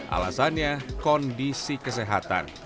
alasannya kondisi kesehatan